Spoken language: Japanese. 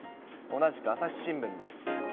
同じく朝日新聞です。